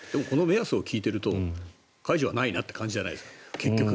この目安を聞いていると解除はないなって感じじゃないですか。